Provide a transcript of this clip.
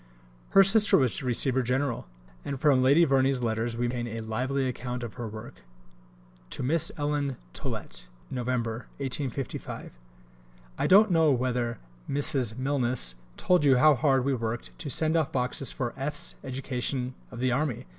Her sister was receiver general, and from Lady Verney's letters we obtain a lively account of the work: (To Miss Ellen Tollet.) [Nov. 1855.] I don't know whether Mrs. Milnes told you how hard we worked to send off boxes for F.'s education of the army!